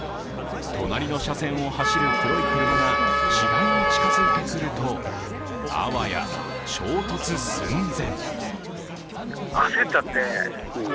隣の車線を走る黒い車が次第に近づいてくるとあわや衝突寸前。